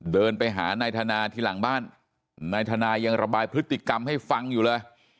เดินไปหานายธนาที่หลังบ้านนายธนายังระบายพฤติกรรมให้ฟังอยู่เลย